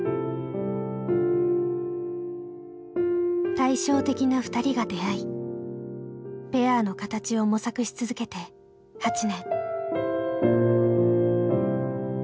対照的なふたりが出会いペアの形を模索し続けて８年。